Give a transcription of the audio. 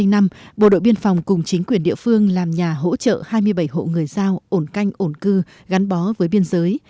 hai năm bộ đội biên phòng cùng chính quyền địa phương làm nhà hỗ trợ hai mươi bảy hộ người giao ổn canh ổn cư gắn bó với biên giới